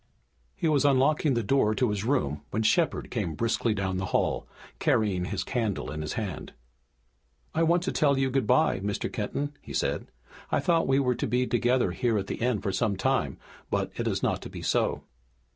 He was unlocking the door to his room when Shepard came briskly down the hall, carrying his candle in his hand. "I want to tell you good bye, Mr. Kenton," he said, "I thought we were to be together here at the inn for some time, but it is not to be so."